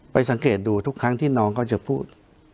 สังเกตดูทุกครั้งที่น้องเขาจะพูด